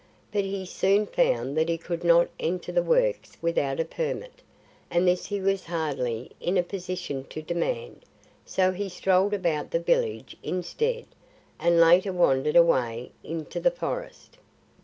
But he soon found that he could not enter the Works without a permit, and this he was hardly in a position to demand; so he strolled about the village instead, and later wandered away into the forest.